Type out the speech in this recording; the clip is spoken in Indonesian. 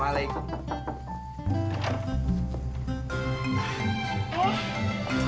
eh ada pengalam sih